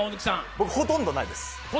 僕、ほとんどないです。